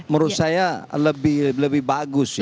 menurut saya lebih bagus ya